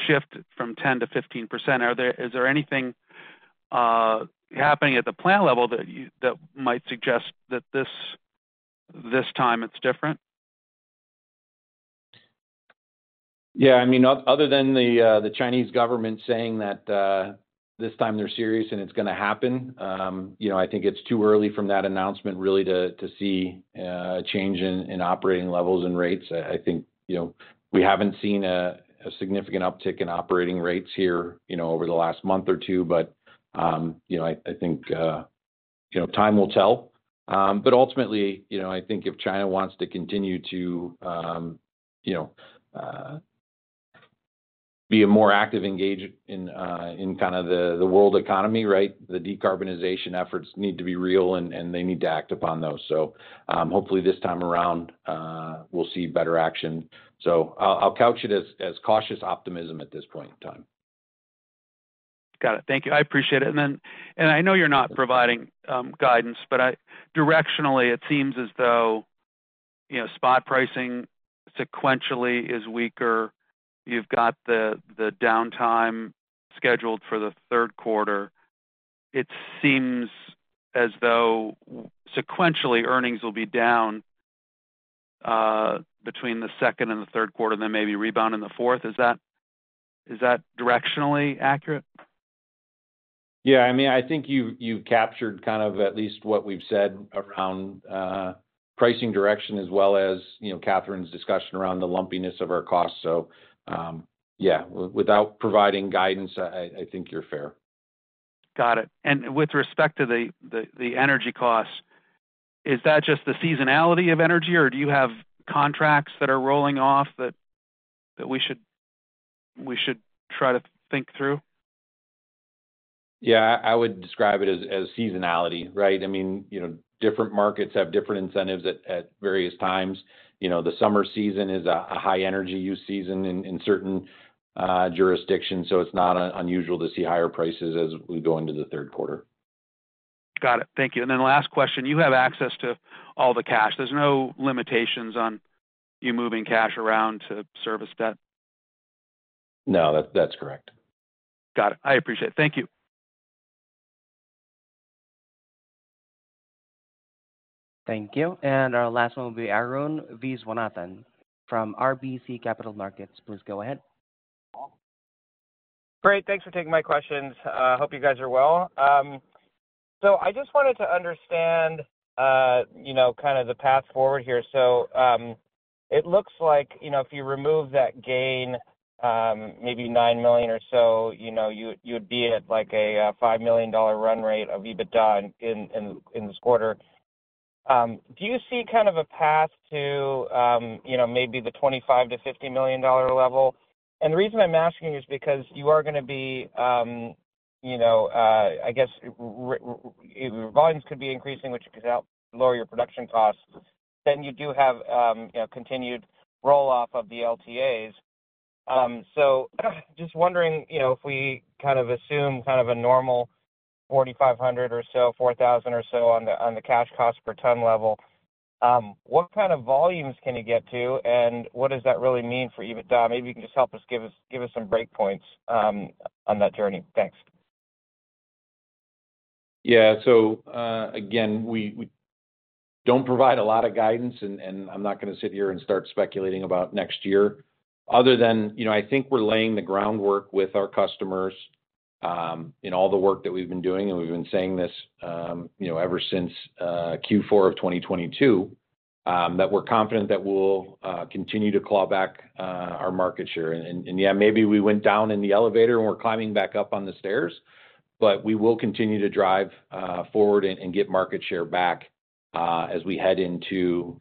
shift from 10% to 15%. Are there, is there anything happening at the plant level that you, that might suggest that this, this time it's different? Yeah, I mean, other than the Chinese government saying that this time they're serious and it's gonna happen, you know, I think it's too early from that announcement, really, to see a change in operating levels and rates. I think, you know, we haven't seen a significant uptick in operating rates here, you know, over the last month or two, but, you know, I think, you know, time will tell. But ultimately, you know, I think if China wants to continue to, you know, be a more active engaged in, in kind of the world economy, right? The decarbonization efforts need to be real and they need to act upon those. So, hopefully this time around, we'll see better action. I'll couch it as cautious optimism at this point in time. Got it. Thank you. I appreciate it. And then, and I know you're not providing guidance, but I—directionally, it seems as though, you know, spot pricing sequentially is weaker. You've got the, the downtime scheduled for the third quarter. It seems as though sequentially, earnings will be down between the second and the third quarter, then maybe rebound in the fourth. Is that, is that directionally accurate? Yeah, I mean, I think you've captured kind of at least what we've said around pricing direction as well as, you know, Catherine's discussion around the lumpiness of our costs. So, yeah, without providing guidance, I think you're fair. Got it. And with respect to the energy costs, is that just the seasonality of energy, or do you have contracts that are rolling off that we should try to think through? Yeah, I would describe it as seasonality, right? I mean, you know, different markets have different incentives at various times. You know, the summer season is a high energy use season in certain jurisdictions, so it's not unusual to see higher prices as we go into the third quarter. Got it. Thank you. And then last question: You have access to all the cash. There's no limitations on you moving cash around to service debt? No, that's correct. Got it. I appreciate it. Thank you. Thank you. And our last one will be Arun Viswanathan from RBC Capital Markets. Please go ahead. Great, thanks for taking my questions. Hope you guys are well. So I just wanted to understand, you know, kind of the path forward here. So, it looks like, you know, if you remove that gain, maybe $9 million or so, you know, you would, you would be at, like, a $5 million run rate of EBITDA in, in, in this quarter. Do you see kind of a path to, you know, maybe the $25 million-$50 million level? And the reason I'm asking is because you are gonna be, you know, I guess volumes could be increasing, which could help lower your production costs. Then you do have, you know, continued roll-off of the LTAs. So just wondering, you know, if we kind of assume kind of a normal 4,500 or so, 4,000 or so on the cash cost per ton level, what kind of volumes can you get to, and what does that really mean for EBITDA? Maybe you can just help us, give us, give us some breakpoints on that journey. Thanks. Yeah. So, again, we, we don't provide a lot of guidance, and, and I'm not gonna sit here and start speculating about next year other than, you know, I think we're laying the groundwork with our customers, in all the work that we've been doing. And we've been saying this, you know, ever since, Q4 of 2022, that we're confident that we'll, continue to claw back, our market share. And, and, yeah, maybe we went down in the elevator, and we're climbing back up on the stairs, but we will continue to drive, forward and, and get market share back, as we head into,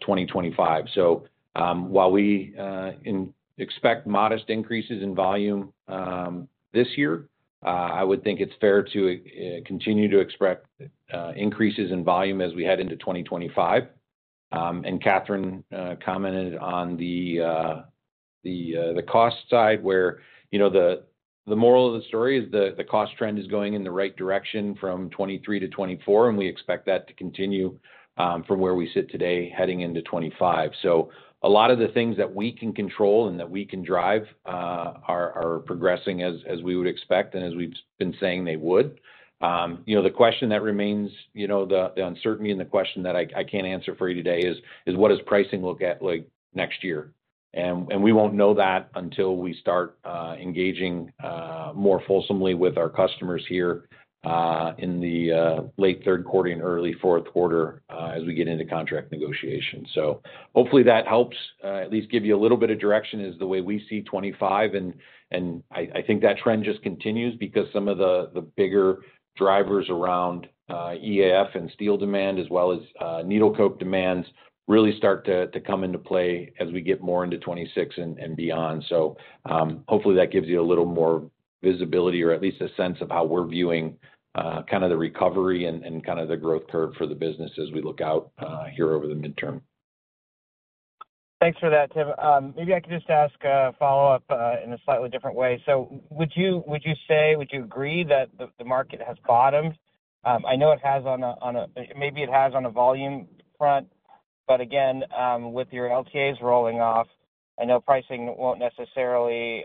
2025. So, while we expect modest increases in volume this year, I would think it's fair to continue to expect increases in volume as we head into 2025. And Catherine commented on the cost side, where, you know, the moral of the story is the cost trend is going in the right direction from 2023 to 2024, and we expect that to continue from where we sit today, heading into 2025. So a lot of the things that we can control and that we can drive are progressing as we would expect, and as we've been saying they would. You know, the question that remains, you know, the, the uncertainty and the question that I, I can't answer for you today is, is: What does pricing look at, like, next year? And, and we won't know that until we start, engaging, more fulsomely with our customers here, in the, late third quarter and early fourth quarter, as we get into contract negotiations. So hopefully that helps, at least give you a little bit of direction, is the way we see 2025. And, and I, I think that trend just continues because some of the, the bigger drivers around, EAF and steel demand, as well as, needle coke demands, really start to, to come into play as we get more into 2026 and, and beyond. So, hopefully, that gives you a little more visibility or at least a sense of how we're viewing kind of the recovery and kind of the growth curve for the business as we look out here over the midterm. Thanks for that, Tim. Maybe I can just ask a follow-up in a slightly different way. So would you say, would you agree that the market has bottomed? I know it has, maybe on a volume front, but again, with your LTAs rolling off, I know pricing won't necessarily,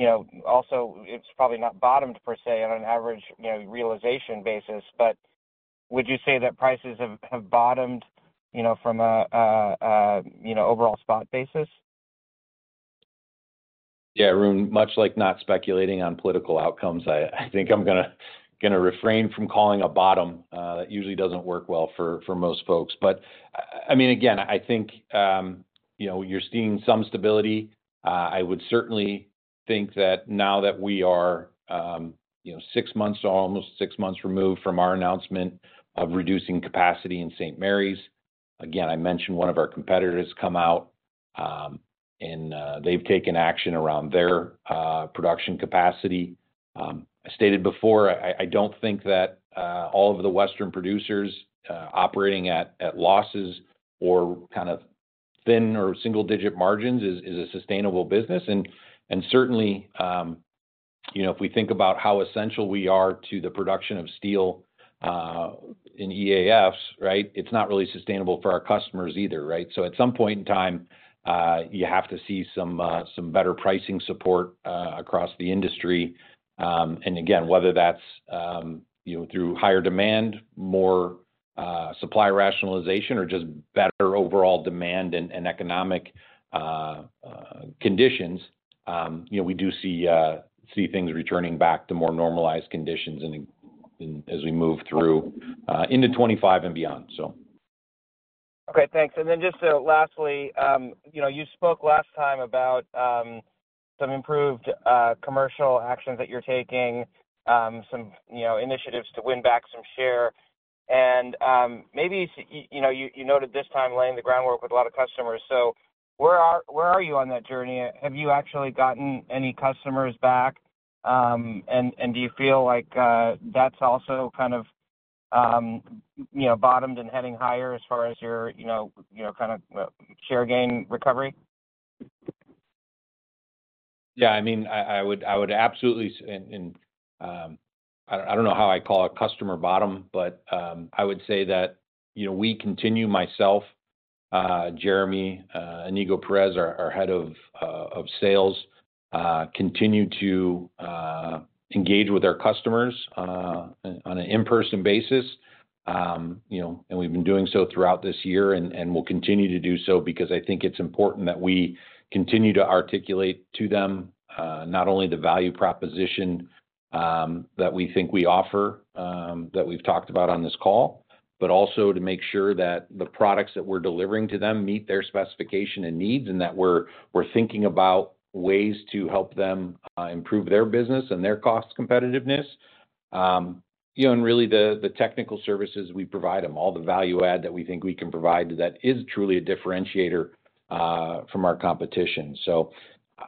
you know, also. It's probably not bottomed per se, on an average, you know, realization basis. But would you say that prices have bottomed, you know, from a, you know, overall spot basis? Yeah, Arun, much like not speculating on political outcomes, I, I think I'm gonna, gonna refrain from calling a bottom. That usually doesn't work well for, for most folks. But, I, I mean, again, I think, you know, you're seeing some stability. I would certainly think that now that we are, you know, six months or almost six months removed from our announcement of reducing capacity in St. Marys. Again, I mentioned one of our competitors come out, and, they've taken action around their, production capacity. I stated before, I, I don't think that, all of the Western producers, operating at, at losses or kind of thin or single-digit margins is, is a sustainable business. And, and certainly, you know, if we think about how essential we are to the production of steel, in EAFs, right? It's not really sustainable for our customers either, right? So at some point in time, you have to see some better pricing support across the industry. And again, whether that's, you know, through higher demand, more supply rationalization, or just better overall demand and economic conditions, you know, we do see things returning back to more normalized conditions and as we move through into 2025 and beyond, so. Okay, thanks. And then just lastly, you know, you spoke last time about some improved commercial actions that you're taking, some, you know, initiatives to win back some share. And maybe, you know, you noted this time laying the groundwork with a lot of customers. So where are you on that journey? Have you actually gotten any customers back? And do you feel like that's also kind of, you know, kind of share gain recovery? Yeah, I mean, I would absolutely. I don't know how I'd call a customer bottom, but I would say that, you know, we continue, myself, Jeremy, Inigo Perez, our head of sales, continue to engage with our customers on an in-person basis. You know, we've been doing so throughout this year, and we'll continue to do so because I think it's important that we continue to articulate to them not only the value proposition that we think we offer that we've talked about on this call, but also to make sure that the products that we're delivering to them meet their specification and needs, and that we're thinking about ways to help them improve their business and their cost competitiveness. You know, and really, the technical services we provide them, all the value add that we think we can provide to that is truly a differentiator from our competition. So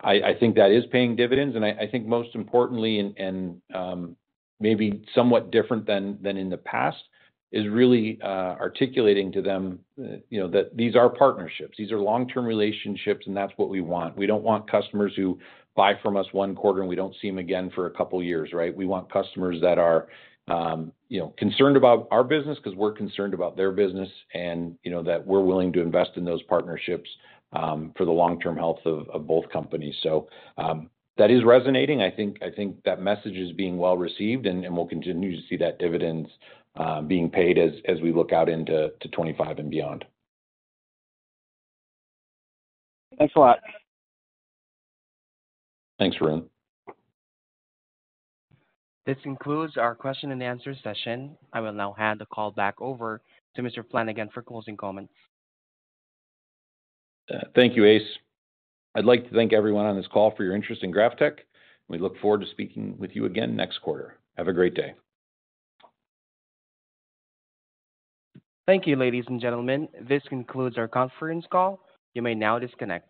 I think that is paying dividends, and I think most importantly, maybe somewhat different than in the past, is really articulating to them, you know, that these are partnerships. These are long-term relationships, and that's what we want. We don't want customers who buy from us one quarter, and we don't see them again for a couple of years, right? We want customers that are, you know, concerned about our business 'cause we're concerned about their business and, you know, that we're willing to invest in those partnerships for the long-term health of both companies. So that is resonating. I think, I think that message is being well received, and we'll continue to see that dividends being paid as we look out into 2025 and beyond. Thanks a lot. Thanks, Arun. This concludes our question and answer session. I will now hand the call back over to Mr. Flanagan for closing comments. Thank you, Ace. I'd like to thank everyone on this call for your interest in GrafTech, and we look forward to speaking with you again next quarter. Have a great day. Thank you, ladies and gentlemen. This concludes our conference call. You may now disconnect.